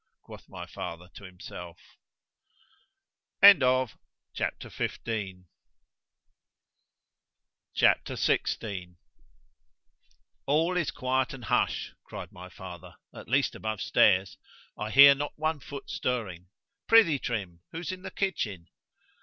quoth my father to himself. C H A P. XVI ALL is quiet and hush, cried my father, at least above stairs—I hear not one foot stirring.—Prithee Trim, who's in the kitchen?